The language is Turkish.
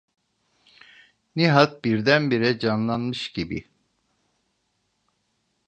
Nihat birdenbire canlanmış gibi: